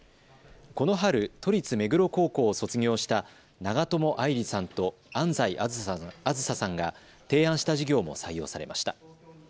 この春、都立目黒高校を卒業した長友愛理さんと安齋杏紗さんが提案した事業も採用されました。